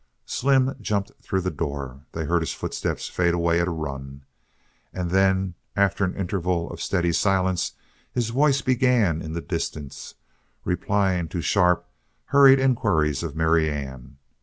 Slim jumped through the door. They heard his footsteps fade away at a run. And then, after an interval of steady silence, his voice began in the distance, replying to sharp, hurried inquiries of Marianne.